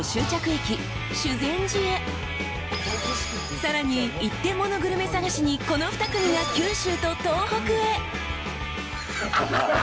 ［さらに一点モノグルメ探しにこの２組が九州と東北へ］